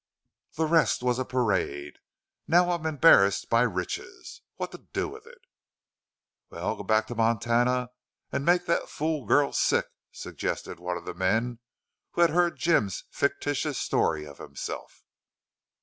The rest was a parade.... Now I'm embarrassed by riches. What to do with it?" "Wal, go back to Montana an' make thet fool girl sick," suggested one of the men who had heard Jim's fictitious story of himself.